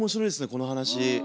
この話。